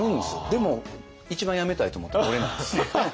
でも一番辞めたいと思ってるの俺なんですよ。